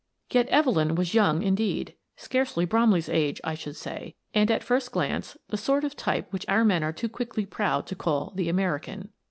Yet Evelyn was young indeed — scarcely Brom ley's age, I should say — and, at first glance, the sort of type which our men are too quickly proud to call the American.